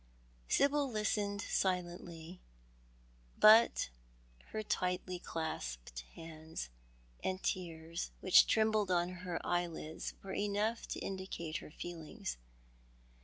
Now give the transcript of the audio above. Sibyl listened silently, but her tightly clasped hands and the tears which trembled on her eyelids were enough to indicate her feelings.